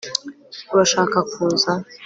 urashaka kuza